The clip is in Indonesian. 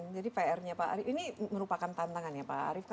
jadi pr nya pak arief ini merupakan tantangan ya pak arief